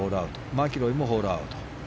マキロイもホールアウト。